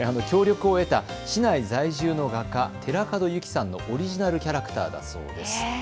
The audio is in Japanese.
協力を得た市内在住の画家、寺門由紀さんのオリジナルキャラクターだそうです。